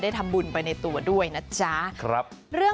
ได้ทำบุญไปในตัวด้วยนะจ๊ะครับ